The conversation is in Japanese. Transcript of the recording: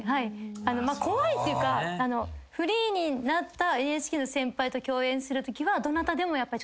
怖いっていうかフリーになったＮＨＫの先輩と共演するときはどなたでも。